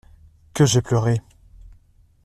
Que j'ai pleuré!